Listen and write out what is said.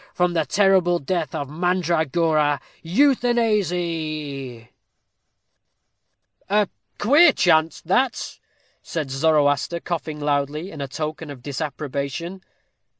From the terrible death of mandragora! Euthanasy!_ "A queer chant that," said Zoroaster, coughing loudly, in token of disapprobation.